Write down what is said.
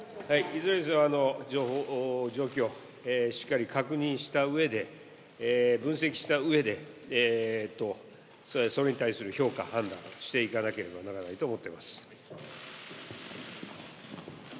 いずれにしても状況をしっかり確認したうえで分析したうえでそれに対する評価、判断をしていかなければならないと思っております。